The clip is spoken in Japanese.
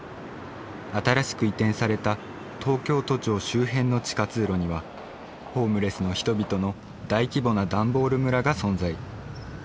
新しく移転された東京都庁周辺の地下通路にはホームレスの人々の大規模なダンボール村が存在。